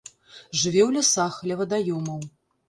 Жыве ў лясах, ля вадаёмаў.